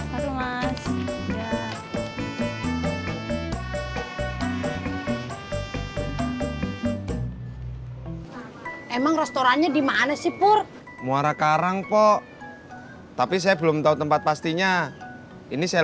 hai emang restorannya dimana sih pur muara karang kok tapi saya belum tahu tempat pastinya ini saya